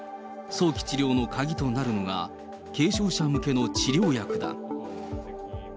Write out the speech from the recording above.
早期治療の鍵となるのが、軽症者向けの治療薬だ。